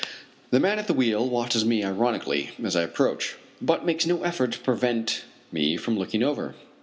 The man at the wheel watches me ironically as I approach, but makes no effort to prevent me from looking over.